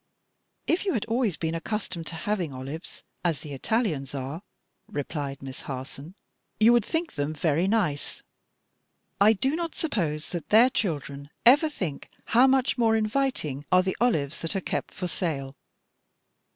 "If you had always been accustomed to having olives, as the Italians are," replied Miss Harson, "you would think them very nice. I do not suppose that their children ever think how much more inviting are the olives that are kept for sale.